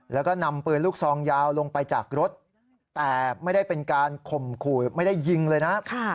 แล้วก็นำปืนลูกซองยาวลงไปจากรถแต่ไม่ได้เป็นการข่มขู่ไม่ได้ยิงเลยนะ